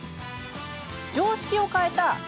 常識を超えた